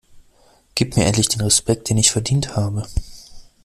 Gib mir endlich den Respekt den ich verdient habe!